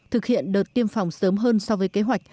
thực hiện đợt tiêm phòng sớm hơn so với kế hoạch